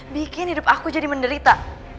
bikin hidup aku jadi menderita